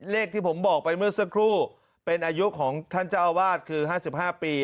ที่ผมบอกไปเมื่อสักครู่เป็นอายุของท่านเจ้าอาวาสคือ๕๕ปี